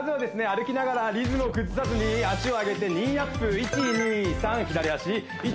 歩きながらリズムを崩さずに脚を上げてニーアップ１２３左足１２３